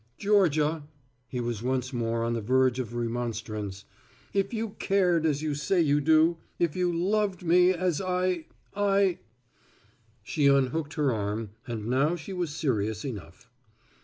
"Georgia" he was once more on the verge of remonstrance "if you cared as you say you do, if you loved me as I l " She unhooked her arm and now she was serious enough.